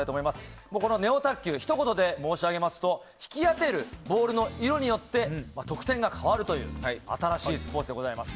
ネオ卓球、ひと言で申し上げますと引き当てるボールの色によって得点が変わるという新しいスポーツでございます。